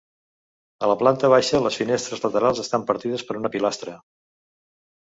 A la planta baixa les finestres laterals estan partides per una pilastra.